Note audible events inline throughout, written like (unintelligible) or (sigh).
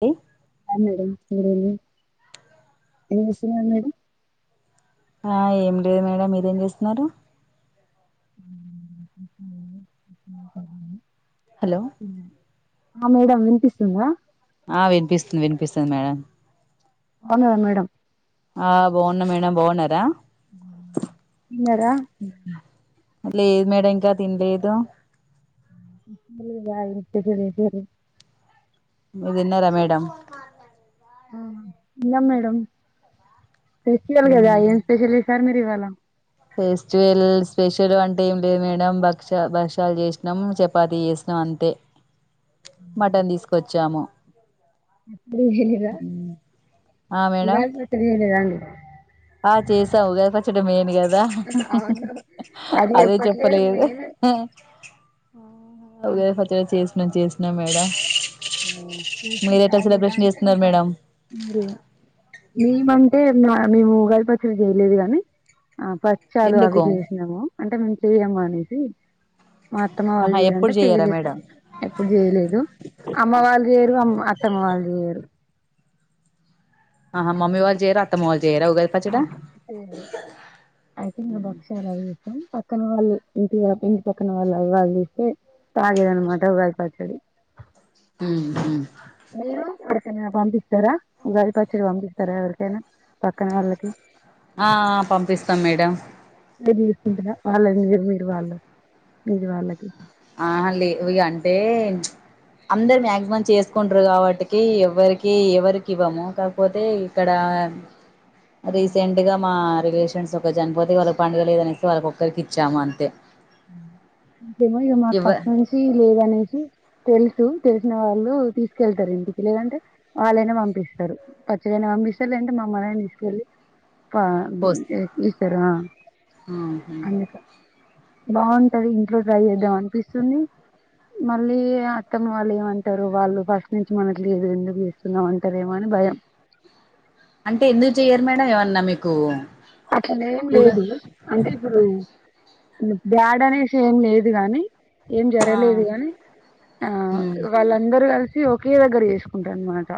అ మేడ ఎదిస మేడం ఆ ఏమి లేదు మేడం మీరేం జేస్తున్నారు హలో పన్న ఆ మేడం వినిపిస్తుందా ఆ వినిపిస్తుంది వినిపిస్తుంది మేడం అవునుదా మేడం ఆ బాగున్నా మేడమ్ బాగున్నారా ఎన్నడా లేదు మేడం ఇంకా తినలేదు వయి ఉతే ఫర ఫర మీరు తిన్నారా మేడం తిన్నం మేడం స్పెషల్ కదా ఏన్ స్పెషల్ సార్ మీ దివాల (inaudible) ఫెస్టివల్ స్పెషల్ అంటే ఏం లేదు మేడం భక్ష భక్ష్యాలు చేసినాం చపాత చేసినాం అంతే మటన్ తీసుకు వచ్చాము అడి హద ఆ మేడం అత్రడి వెదా అండి ఆ చేసావుగా పచ్చడి మేయిన్ కదా అవును అది అదే చెప్పట్లేరు చెప్పలేదు మేమే ఓ నువ్వే ఫతే చేసు నన్ చేసినా మేడ (unintelligible) చేస్తున్నారు మేడం ఏ మా మేము ఉగాది పచ్చడి చేయలేదు గాని ఆ పచ్చాలు అవి ఎందుకు చేసినాము అంటే మంచ్ ఇయ్యం మానేసి మా అత్తమ వాళ్ళు ఆహా చేయ్ అంటే ఎప్పుడు చెయ్యరా చేయలేదు మేడం ఎప్పుడు చేయలేదు అమ్మ వాళ్లు చేయరు అమ్ అత్తమ్మ వాళ్లు చేయరు ఆహా మమ్మీ వాళ్లు జయ రా అత్తమ్మ వాళ్లు జయ రా ఉగాది పచ్చడ సరే అయితే ఇంకా భక్షాలు అవి చేస్తాం పక్కన వాళ్ళు ఇంటిగా ఇంటి పక్కన వాళ్ళు ఎవ్వలు తీతే తాగేది అన్నమాట ఉగాది పచ్చడి ఉమ్ ఉహు మీరు ఎవరికన్నా పంపిస్తారా ఉగాది పచ్చడి పంపిస్తారా ఎవరికైనా పక్కన వాళ్ళకి ఆ పంపిస్తాం మేడం మీరు తీసుకుంటారా వాళ్ళ మీరు వాళ్లు మీరు వాళ్లకి ఆహ లేవి అంటే అందరు మ్యాక్సిమం చేసుకుంటారు కాబట్టికి ఎవ్వరికి ఎవ్వరికి ఇవ్వము కాకపోతే ఇక్కడ రీసెంట్ గా మాత్ రిలేషన్స్ ఒకరు చనిపోతే వాళ్ళకి పండుగ లేదు అనేసి వాళ్ళకి ఒక్కరికి ఇచ్చాము అంతే (unintelligible) ఏమో ఇగ మాకు ఇవ్వ పసు నుంచి లేదు అనేసి తెలుసు తెలిసిన వాళ్ళు తీసుకెళ్తారు ఇంటికి లేదంటే వాళ్ళైనా పంపిస్తారు పచ్చడి ఐన పంపిస్తారు లేదంటే మమ్మల్ని ఐన తీసుకెళ్ళి పా పోస్ ఈకరా ఆహా అందుకా బాగుంటది ఇంట్లో ట్రై చేద్దాం అనిపిస్తుంది మళ్ళీ అత్తమ్మ వాళ్ళు ఏమంటారు వాళ్ళు ఫస్ట్ నుంచి మనకి ఏద ఎందుకు చేస్తుంది అంటారు ఏమో అని భయం అంటే ఎందుకు జేయ్యరు మేడం ఏమన్నా మీకు అట్ల నేమ్ ఉగా లేదు అంటే ఇప్పుడు బ్యాడు అనేసి ఏం లేదు గాని ఏం ఆ జరగలేదు గాని ఆ ఉమ్ వాళ్ళందరూ కలిసి చి ఒకే దగ్గర చేసుకుంటారు అన్నమాట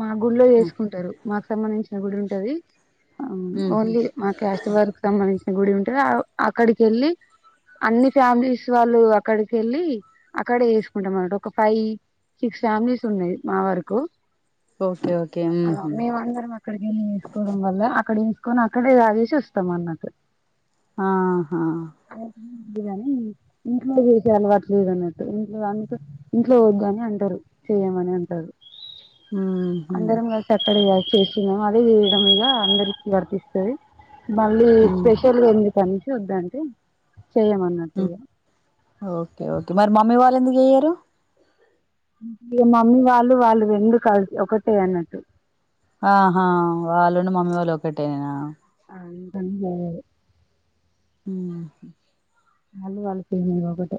మా గుళ్లో ఉమ్ చేసుకుంటారు మాకు సంబంధించిన గుడి ఉంటది మ్ ఉహు ఓన్లీ మా క్యాస్ట్ వాళ్లకు సంబంధించ గుడి ఉంటా ఆ అక్కడికి వెళ్ళి అన్ని ఫ్యామిలీస్ వాళ్ళు అక్కడికి వెళ్ళి అక్కడే వేసుకుంటాం అనట్టు ఒక ఫైవ్ సిక్స్ ఫ్యామిలీస్ ఉన్నాయి మా వరకు ఓకే ఓకే ఆ ఊహు మేము అందరం అక్కడికి వెళ్ళి వేసుకోవడం వల్ల అక్కడేంచుకొని అక్కడే తాగేసి వస్తాం అన్నట్టు ఆహా అంతే కాని ఇంట్లో చేసే అలవాట్ లేదు అన్నట్టు ఇంట్లో అంత ఇంట్లో వద్దుని అంటారు చేయ్యమని అంటారు ఊహు అందరం కలిసి అక్కడే చేసింద అదే విధముగా అన్ వర్తిస్తది మళ్ళీ ఊ స్పెషల్గా ఉంది సంచి వద్దంటే చేయమన్నట్టు మ్మ్ ఇగ ఓకే ఓకే మరి మమ్మీ వాళ్ళ ఎందుకు చెయ్యారు ఇగ మమ్మీ వాళ్ళు వాళ్ళు ఎందుకు కలిసి ఒకటే అన్నట్టు ఆహా వాళ్ళుండి మమ్మీ వాళ్ళు ఒకటేనా అంత అన్ని (unintelligible) మ్మ్ వాళ్ళు వాళ్ళ ఫీలింగ్ ఒకటే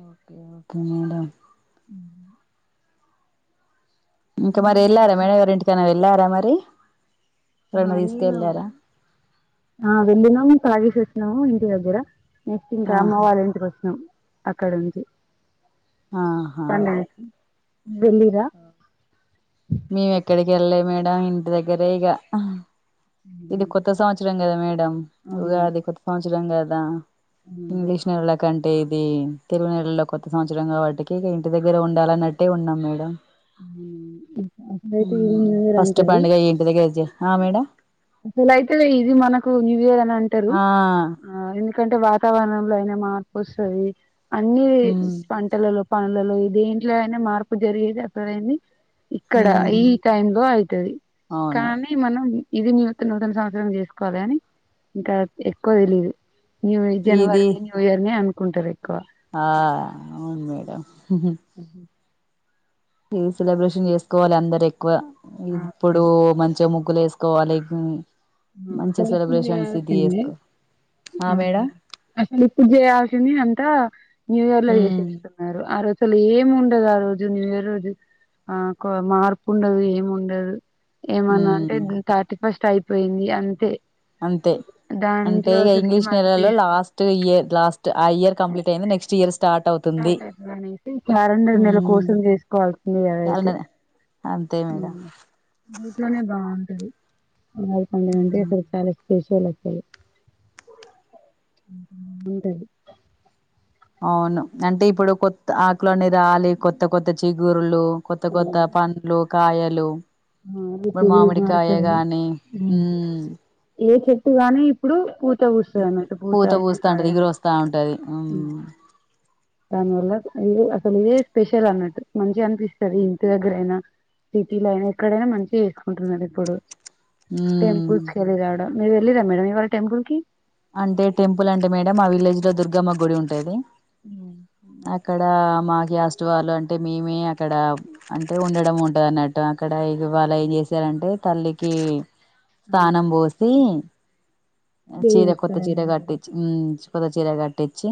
ఓకే మేడం ఇంకా మరి వెళ్ళారా మేడం గారి ఇంటికి అయిన వెల్ ఎల్లారా మరి ఆ ఎవరన్నా నేను తీసుకెళ్ళారా ఆ వెళ్ళినము తాగేసి వస్ నవ్ ఇంటి దగ్గిర నెక్స్ట్ ఇంకా అమ్మ ఆహా వాళ్ళంటికి వచ్చాం అక్కడ ఉంది ఆహా వెళ్ళిరా మ్మ్ మేవెక్కడ్ గల్లే మేడం ఇంటి దగ్గరే ఇగ ఇది కొత్త సంవత్స రం గద మే డం అవును ఉగాది కొత్త సంవత్సరం త్సరం గద ఇంగ్లీష్ వాళ్ళ కన్ టే ఇది తెలుగు నెలలో కొత్త సంవత్సరం కాబట్టి కి ఇంటి దగ్గర ఉండాలన్నట్టే ఉన్నాం మేడం (unintelligible) హ్మ్ ఫస్ట్ పండుగ ఇంటి దగ్గర చే ఆ మేడం అసల్తెతే ఇది మనకు న్యూ ఇయర్ అని అంటరు ఆ ఆ ఇ ఎందుకంటే వాతావరణంలో అయినా మార్పు వస్తది అన్ని మ్మ్ పంటలలో పనులలో దేంట్లో అయినా మార్పు జరిగేద (unintelligible) ఇక్కడ ఈ మ్మ్ టైమ్ లో అయ్తది అవును కానీ మనం ఇది న్యూతన్ రెండు సంవత్సరం చేసుకోవాలి అని ఇంకా ఎక్కువ తెలిదు న్యూ ఇది జనవరి న్యూ ఇయర్ ని అను కుంటరు ఆ అవున్ మేడం హ్మ్ సెలబ్రేషన్ చేసుకోవాలి అందరి ఎక్కువ ఆ ఇప్పుడు మంచి ము గ్లేసుకోవాలి అసలు ఇప్పుడు చేయాల్సింది ఆ మేడం అసలు ఇప్పుడు చేయాల్సింది అంతా న్యూ ఇయర్ లో మ్మ్ జేసేస్తున్నారు ఆ రోజు అసలు ఏం ఉండదు ఆ రోజు న్యూ ఇయర్ రోజు ఆ మార్పు ఉండదు ఏం ఉండదు ఏమన్నా అంటే మ్మ్ (unintelligible) ఫస్ట్ అయ్ పోయింది అంతే అంతే అంటే దాంట్లో ఇక అసలు ఏం ఇంగ్లీష్ నెలల్లో అనిపియదు లాస్ట్ ఇయర్ లాస్ట్ ఆ ఇయర్ కంప్లీట్ అయింది నెస్ట్ ఇయర్ స్టార్ట్ అవుతుంది అనేసి క్యాలెండర్ నెల హ్మ్ కోసం చేసుకోవాల్సింది అదైతే క్యాలెండర్ అంతే మేడం దీట్లోనే బాగుంటది హ్మ్ (unintelligible) చరే సరే అవును అంటే ఇప్పుడు కొత్త ఆక్లన్ని రాలి కొత్త కొత్త చిగురులు కొత్త కొత్త పండ్లు కాయలు ఇప్పుడు మామిడికాయ గాని మ్మ్ (unintelligible) గానీ ఇప్పుడు (inaudible) (unintelligible) పూత పూస్తా ఉంటది ఎగురు వస్తా ఉంటది మ్మ్ ఇదే స్పెషల్ అన్నట్టు మంచిగా అం అనిపిస్తది ఇంటి దగ్గర ఐనా సిటీలైనా ఇక్కడైనా మంచిగా చేసుకుంటున్నారు ఇప్పుడు మ్మ్ టెంపుస్ (unintelligible) మీరు వెళ్ళరా మేడం ఇవాళ టెంపుల్ కి అంటే టెంపుల్ అంటే మేడంమ్ ఆ విలేజ్ లో దుర్గమ్మ గుడి ఉంటాది అ అక్కడ మాకి ఆస్వాళ్ళు అంటే మేమే అక్కడ అంటే ఉండడం ఉంటుంది అన్నట్టు అక్కడ ఇ వాళ్ళ ఏం చేశారంటే తల్లికి స్థానం బోసి చీర కొత్త చీర కట్టిచ్చ కొతచీర కట్టిచి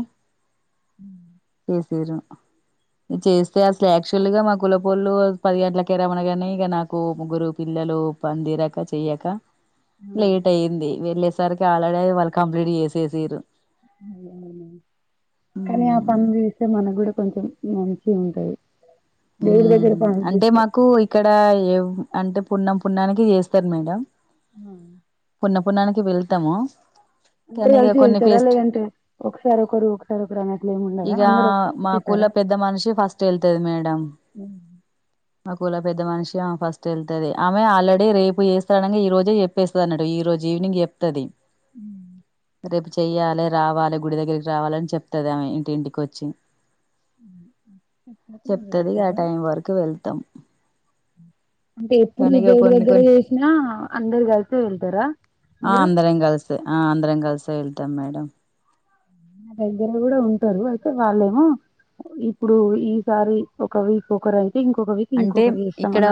చేస్తే అసలు యాక్చువల్ గా మా కుల పోళ్ళు పది గంటలకే రమనగానీ ఇక నాకు ముగ్గురు పిల్లలు పని తీరాక చెయక లేట్ అయింది వెళ్ళేస సారికిఆళడ వాల్ళ కంప్లీట్ చేసేసిరు కానీ ఆ హ్మ్. పనులు చూస్తే మనగూడ కొంచెం మంచిగా ఉంటాయి ఉమ్ అంటే మాకు ఇక్కడ (unintelligible) అంటే పున్నం పున్నానికి చేస్తారు మేడం పున్న పునానికి వెళ్తాము అందరు కానీ ఇక కలిసి కొన్ని వెళ్తారా ఫెస్ట్ లేదంటే ఒకసారి ఒకరు ఒకసారి ఒకరు అన్నట్లు ఏమి ఉండదా ఇక అందరు మా కుల ఒకేసారా పెద్ద మనిషి ఫస్ట్ వెళ్తది మేడం ఉమ్ మా కుల పెద్ద మనిషి ఆమే ఫస్ట్ వెళ్తుది ఆమె ఆల్రెడీ రేపు చేస్తానగా ఈ రోజే చెప్పేస్తుంది అన ట్టు ఈ రోజు ఈవినింగ్ చెప్తుది ఉ రేపు చెయ్యాలే రావాలి గుడి దగ్గరికి రావాలని చెప్తంది ఆమె ఇంటింటికి వచ్చి మీరు తెది ఆ వెళ్తారా టైం వరకు వెళ్తాం అంటే ఎప్పుడు కానీ ఇక దేవుడి కొన్ని దగ్గర కొన్ని చేసినా అందరు కలితే వెళ్తారా ఆ మీరు అందరం కలిసే ఆ అందరం కలిసే వెళ్తాం మేడం నా దగ్గర కూడా ఉంటారు అయితే వాళ్ళేమో ఇప్పుడు ఈసారి ఒక వీక్ ఒకరై అంటే ఇక్కడ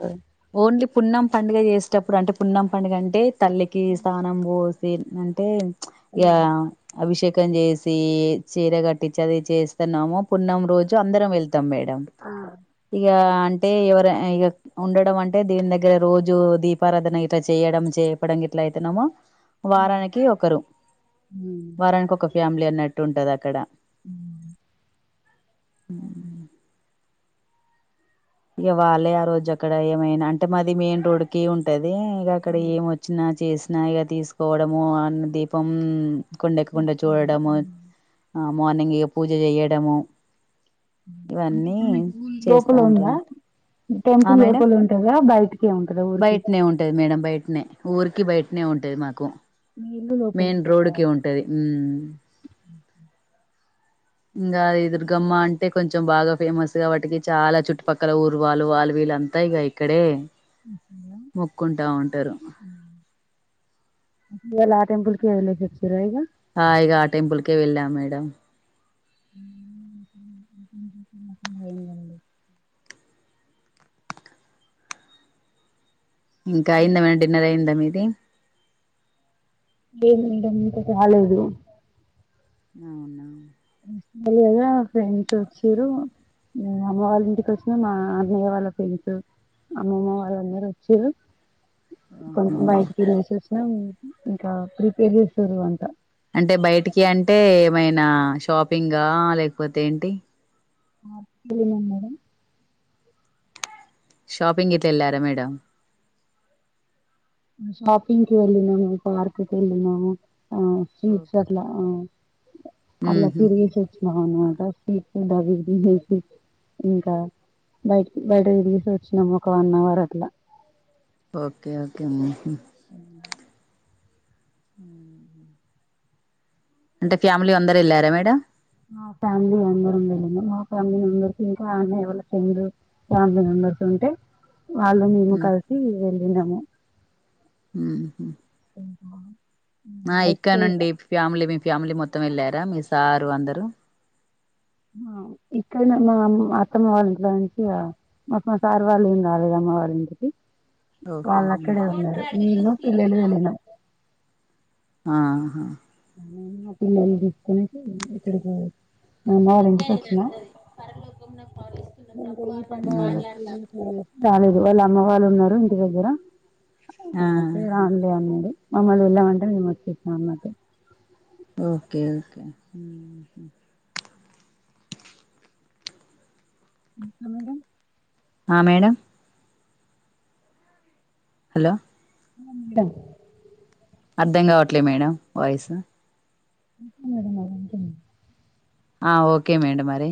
కదా ఓన్లీ పున్నం పండుగ చేసేటప్పుడు అంటే పున్నం పండుగంటే తల్లికి స్థానం పో అంటే యా అభిషేక్ కొంజేసి చీర కట్టించి అది చేస్తున్నాము పున్నం రోజు అందరం వెళ్తు అత్తమేడం ఆ. ఇక అంటే ఎవరు ఇక ఉండడం అంటే దీని దగ్గర రోజు దీపారాధన ఇట్లా చేయడం చేపడం ఇట్లా అయితున్నామో వారానికి ఒకరు ఉమ్. వారానికి ఒక ఫ్యామిలీ ఎన్నట్టు ఉంటది అక్కడ ఉ (unintelligible) ఇవలె ఆ రోజు అక్కడ ఏమైనా అంటే మాది మెయిన్ రోడ్కి ఉంటది అదే ఇగ అక్కడ ఏం వచ్చినా చేస నయిగా తీసుకోవడము అన్ దీపం కొండకు కొండ చూడండి. చూడడము ఉమ్. మార్నింగ్ పూజ చేయడము అంటే ఇవన్నీ ఇప్పుడు మీకు లోపల చేస్తా అంటారు ఉందా ఆ టెంపుల్ మేడం లోపల ఉంటదా బయటికే ఉంటదా ఊరికి బయటనే ఉంటది మేడం బయటనే ఊరికి బయటనే ఉంటది మాకు మీ ఇల్లు లోపల మెయిన్ ఉంటదా రోడ్కి ఉంటది ఇంకా ఈ దుర్గమ్మ అంటే కొంచెం బాగా ఫేమస్ గా వాటికి చాలా చుట్టు పక్కల ఊరు వాళ్ళు వాళ్ళు వీళ్ళ అంతాయి ఇ ఇక్కడే మొక్కుంటా ఉంటారు లా టెంపుల్ీ వెలే స ఆగా ఆ టెంపుల్ ఓే వెళ్ళా మేడం డి ఇంకా అయిందాం డిన్నర్ అయిందా మీది అదిే ఏన్ మేడమ్ ఇ సతే హళేదు అవునా కదా ఫ్రెండ్స్ వచ్చారుే అమ్మ వాళ్ళ ఇంటికి వచ్చిన మా అన్నయ్య వాళ్ళ ఫ్రెండ్స్ అమ్మమ్మ వాళ్ళందర వచ్చారు కొంచెం బయటకిళససన్నా ఇకా ప్రీపేర్ చేసురు అంత అంటే బయటికి అంటే ఏమైనా షాపింగ్ లేకపోతే ఏంటి ఆ మ మేడం షాపిింగ్ గతే ఎలార మేడం షాపిింగ్కి వెళ్ళిినము పార్క్కి వెళ్ళిినము ఆ స్ీట్స్ట్లా అలా ఊహు తిరిగి చచ్చన్నానుమాంట ఇసి ఇంకా బయటికి బయట తరిగిసి వచ్చినాము ఒక వన్ అవర్ అట్లా ఓకే ఓకే ఉ అంటే ఫ్యామిలీ అందరు వెళ్ళారా మేడ మా ఫ్యామిలీ అందరం వెళ్ళిన మా ఫ్యామిలీ మెంబెర్స్ ఇంకా అన్నయ్య వాళ్ళ చందు ఫ్యామిలీ మెంబెర్స్ ఉంటే వాళ్ళు మేము కలిసి వెళ్ళినాము హ ఆ ఇక్క బైక్కే ఇగ నుండి ఫ్యామిలీ ఫ్యామిలీ మొత్తం వెళ్ళారా మీ సారు అందరు ఇక్కడనా మామ్ అత్తమ్మ వాళ్ళ ఇంట్లో నుంచి మా మా సారు వాళ్ళు ఏం రాలేదు అమ్మ వాళ్ళ ఇంటికి ఓకే వాళ్ళ మ్మ్. అక్కడే ఉన్నారు నేను పిల్లలు వెళ్ళినా ఆ మా పిల్లలు తీసుకుని ఇక్కడకి నిన్నే నే అన్నది పరలోకంలో పాలిస్తున్న ఇంకా ప్రభువా ఈ అన్నాడు పండగ మాట్లాడతారు రాలేదు వాళ్ళ అమ్మ వాళ్ళు ఉన్నారు ఇంటి దగ్గర ఆ అంటె రాండి అన్నడూ మమ్మల్ని వెళ్ళామంటే మేం వచ్చేసా అన్నట్టు ఓకే ఓకే హ్మ్ హ్ ఆ మేడమ్ ఆ మేడం హలో ఆ మేడం అర్ధం కావట్లే మేడం వాయిసు. ఓకే మేడం మరి ఉంటున్న ఆ ఓకే మేడం మరి